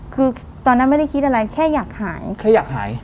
คือตอนนั้นไม่ได้คิดอะไรแค่อยากหายแค่อยากหาย